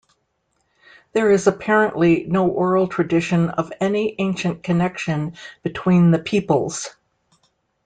There is apparently no oral tradition of any ancient connection between the peoples.